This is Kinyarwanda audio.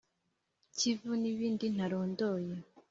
kivu n’ibindi ntarondoye.